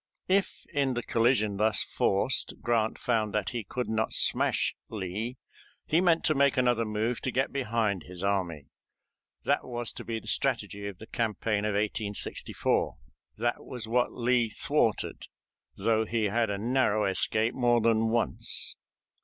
If in the collision thus forced Grant found that he could not smash Lee, he meant to make another move to get behind his army. That was to be the strategy of the campaign of 1864. That was what Lee thwarted, though he had a narrow escape more than once.